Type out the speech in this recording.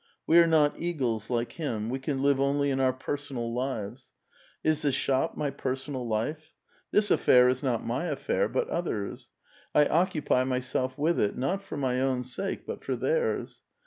We are not eagles, like him ; we can live only in our personal lives. Is the shop my personal life? This affair is not my affair, but others'. I occupy myself with it, not for my own sake, but for thcii*s.